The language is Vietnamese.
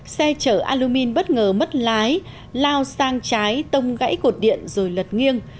xe chở alumin bất ngờ mất lái lao sang trái tông gãy cột điện rồi lật nghiêng